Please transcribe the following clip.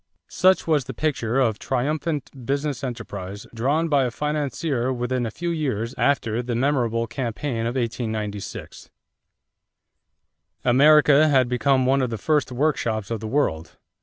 Such was the picture of triumphant business enterprise drawn by a financier within a few years after the memorable campaign of 1896. America had become one of the first workshops of the world.